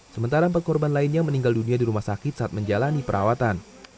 sementara empat korban lainnya meninggal dunia di rumah sakit saat menjalani perawatan